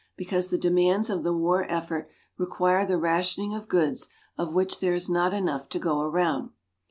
Because the demands of the war effort require the rationing of goods of which there is not enough to go around.